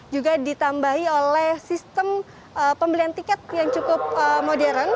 juga ditambahi oleh sistem pembelian tiket yang cukup modern